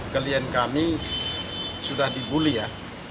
klien kami sudah dibully ya